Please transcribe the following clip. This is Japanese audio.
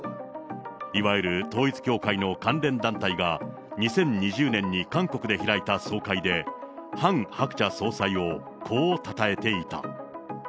いわゆる統一教会の関連団体が２０２０年に韓国で開いた総会で、ハン・ハクチャ総裁をこうたたえていた。